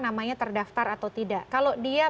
namanya terdaftar atau tidak kalau dia